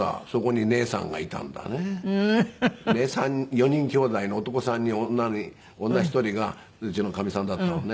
４人きょうだいの男３人女１人がうちのかみさんだったのね。